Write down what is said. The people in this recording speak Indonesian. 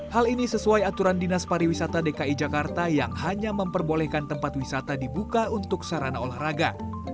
hal ini sesuai aturan dinas pariwisata dki jakarta yang hanya memperbolehkan tempat wisata dibuka untuk sarana olahraga